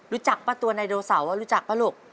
รู้จักป่ะตัวไดโนเสาร์ว่ารู้จักป่ะลูก